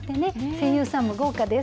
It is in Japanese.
声優さんも豪華です。